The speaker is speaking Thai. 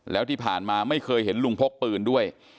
แล้วที่ผ่านมาไม่เคยเห็นลุงพกปืนด้วย